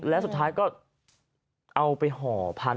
แล้วสุดท้ายก็เอาไปห่อพันธ